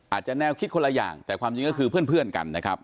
แนวคิดคนละอย่างแต่ความจริงก็คือเพื่อนกันนะครับ